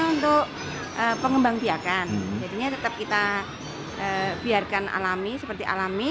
ini untuk pengembang pihak kan jadinya tetap kita biarkan alami seperti alami